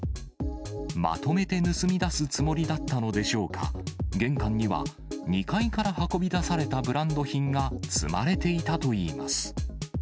まとめて盗み出すつもりだったのでしょうか、玄関には２階から運び出されたブランド品が積まれていたといいます。